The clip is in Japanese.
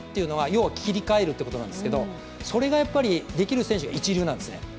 要は切り替えるんですけど、それがやっぱりできる選手が一流なんですね。